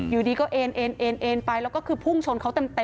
อยู่ดีก็เอ็นเอ็นเอ็นไปแล้วก็คือพุ่งชนเขาเต็ม